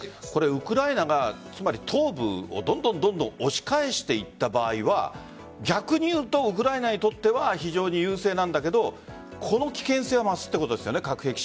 ウクライナが東部をどんどん押し返していった場合は逆にウクライナにとっては非常に優勢なんだけどこの危険性は増すということですね